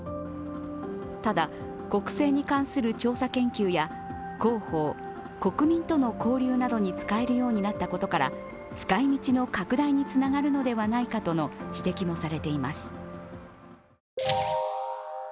ただ、国政に関する調査研究や広報、国民との交流などに使えるようになったことから使い道の拡大につながるのではないかとの指摘もされています。